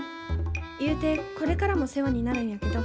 言うてこれからも世話になるんやけど。